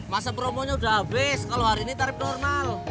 masa promonya udah habis kalau hari ini tarif normal